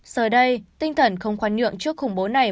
giờ đây tinh thần không khoan nhượng trước khủng bố này